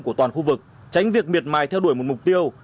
của toàn khu vực tránh việc miệt mài theo đuổi một mục tiêu